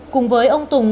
cùng với ông tùng